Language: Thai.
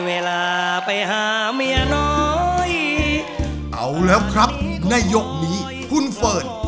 เอาเหละครับในยกนี้คุณเฟิร์น